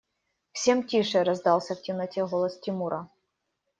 Всем тише! – раздался в темноте голос Тимура.